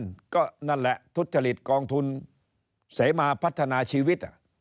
ศึกษาธิการก็นั่นแหละทุศจริตกองทุนเสมาพัฒนาชีวิต